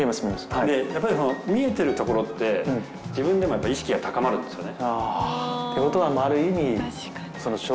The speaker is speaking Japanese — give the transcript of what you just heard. やっぱり見えてるところって自分でも意識が高まるんですよね。